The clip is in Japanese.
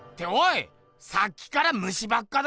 さっきから虫ばっかだな！